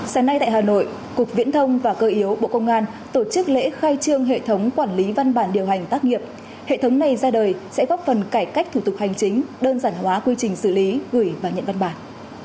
sáng nay tại hà nội cục viễn thông và cơ yếu bộ công an tổ chức lễ khai trương hệ thống quản lý văn bản điều hành tác nghiệp hệ thống này ra đời sẽ góp phần cải cách thủ tục hành chính đơn giản hóa quy trình xử lý gửi và nhận văn bản